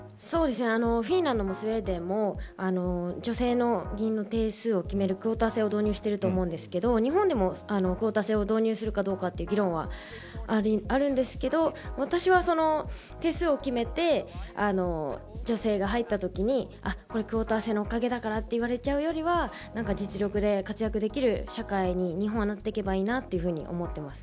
フィンランドもスウェーデンも女性の議員の定数を決めるクオーター制を導入していると思うんですが日本でもクオータ制を導入するかという議論はあるんですが私は定数を決めて女性が入ったときにクオーター制のおかげだからと言われちゃうよりは実力で活躍できる社会に日本はなっていけばいいなと思っています。